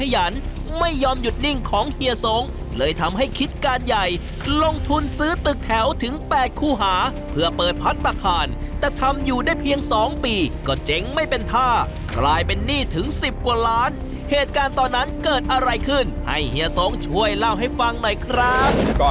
ไม่ยอมหยุดนิ่งของเฮียสงเลยทำให้คิดการใหญ่ลงทุนซื้อตึกแถวถึง๘คู่หาเพื่อเปิดพัฒนาแต่ทำอยู่ได้เพียง๒ปีก็เจ๋งไม่เป็นท่ากลายเป็นหนี้ถึงสิบกว่าล้านเหตุการณ์ตอนนั้นเกิดอะไรขึ้นให้เฮียสงช่วยเล่าให้ฟังหน่อยครับ